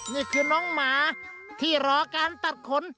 นี่คือน้องหมาที่รอการตัดขน